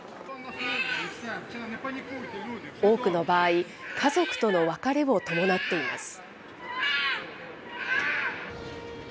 多くの場合、家族との別れを伴っています。